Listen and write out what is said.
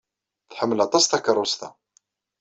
Tḥemmel aṭas takeṛṛust-a.